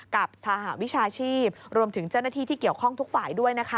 กับสหวิชาชีพรวมถึงเจ้าหน้าที่ที่เกี่ยวข้องทุกฝ่ายด้วยนะคะ